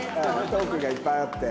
トークがいっぱいあって。